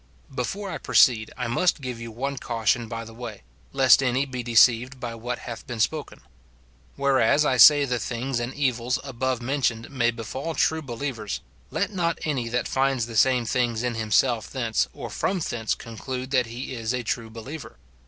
Before I proceed I must give you one caution by the way, lest any be deceived by what hath been spoken. Whereas 1 say the things and evils above mentioned may befall true believers, let not any that finds the same things in himself thence or from thence conclude that he is a true believer.